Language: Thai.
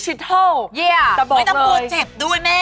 เยี่ยะตะบอกเลยไม่ต้องพูดเจ็บด้วยแม่